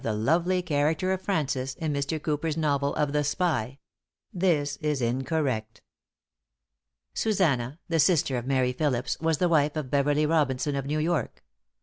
the lovely character of Frances, in Mr. Cooper's novel of "The Spy:" this is incorrect. |Susannah, the sister of Mary Philipse, was the wife of Beverley Robinson of New York.